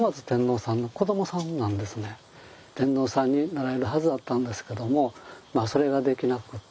天皇さんになられるはずだったんですけどもそれができなくって